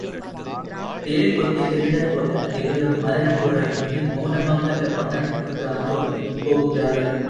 தேள் கொட்டிய திருடன் போல, இருவரும் மரணப் போராட்டத்தை மெளனமாக அல்லவா நடத்திக்கொண்டு ஆற்றோடு போகின்றார்கள்!